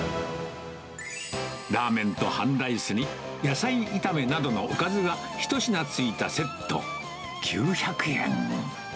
ラーメンと半ライスに野菜炒めなどのおかずが１品ついたセット９００円。